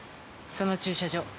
その駐車場